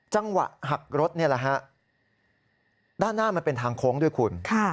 จังหวะหักรถนี่แหละฮะด้านหน้ามันเป็นทางโค้งด้วยคุณ